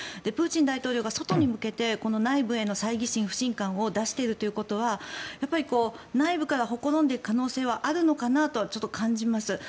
プーチン大統領が外に向けて内部へのさいぎ心不信感を出しているということは内部からほころんでいく可能性はあるのかなとは感じます。